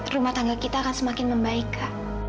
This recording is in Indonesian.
rumah tangga kita akan semakin membaika